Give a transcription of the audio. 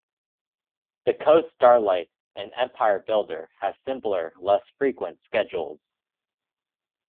The "Coast Starlight" and "Empire Builder" have simpler, less frequent schedules.